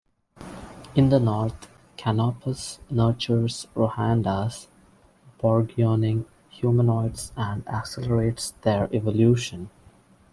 In the north, Canopus nurtures Rohanda's bourgeoning humanoids and accelerates their evolution.